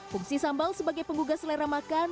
fungsi sambal sebagai penggugah selera makan